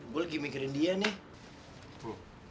gue lagi mikirin dia nih